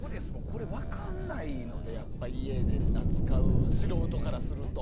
これ、分かんないのでやっぱり家で扱う素人からすると。